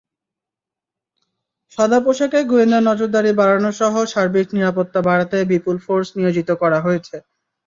সাদাপোশাকে গোয়েন্দা নজরদারি বাড়ানোসহ সার্বিক নিরাপত্তা বাড়াতে বিপুল ফোর্স নিয়োজিত করা হয়েছে।